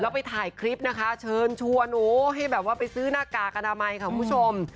ไปถ่ายคลิปนะคะเชิญชวนหนูให้แบบว่าไปซื้อหน้ากากอนามัยค่ะคุณผู้ชม